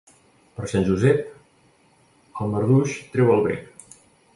Per Sant Josep el marduix treu el bec.